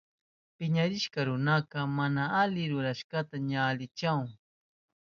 Piñarishka runaka mana ali rurashkanta ña alichahun.